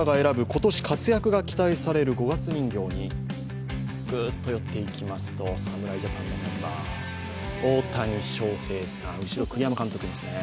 今年活躍が期待される五月人形にぐっと寄っていきますと侍ジャパンのメンバー、大谷翔平さん、後ろ、栗山監督がいますね。